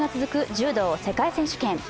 柔道世界選手権。